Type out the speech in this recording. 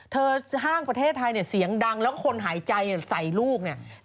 ห้างประเทศไทยเนี่ยเสียงดังแล้วคนหายใจใส่ลูกเนี่ย